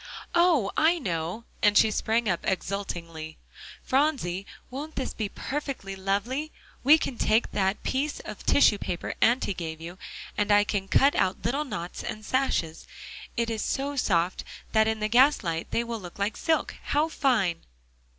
"Oh! I know," and she sprang up exultingly. "Phronsie, won't this be perfectly lovely? we can take that piece of tissue paper Auntie gave you, and I can cut out little knots and sashes. It is so soft, that in the gaslight they will look like silk. How fine!"